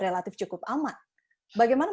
relatif cukup amat bagaimana